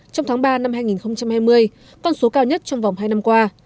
trong tháng ba năm hai nghìn hai mươi con số cao nhất trong vòng hai năm qua